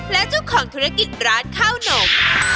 และเจ้าของธุรกิจร้านข้าวหนม